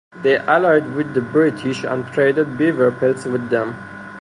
They allied with the British and traded beaver pelts with them.